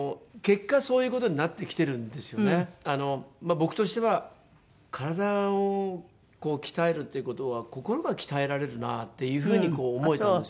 僕としては体を鍛えるっていう事は心が鍛えられるなっていう風に思えたんですよね。